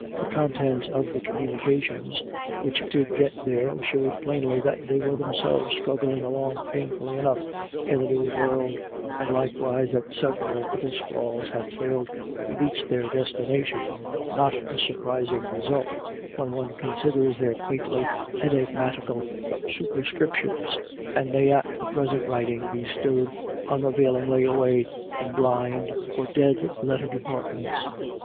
The contents of the communications which did get there showed plainly that they were themselves struggling along painfully enough in the new world, and likewise that several other scrawls had failed to reach their destination — not a surprising result, when one considers their quaintly enigmatical superscriptions — and may at the present writing be stowed unavailingly away in blind or dead letter departments.